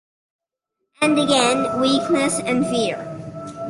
And again: weakness and fear.